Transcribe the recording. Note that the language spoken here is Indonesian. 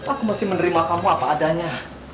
aku mesti menerima kamu apa adanya